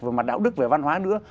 về mặt đạo đức về văn hóa nữa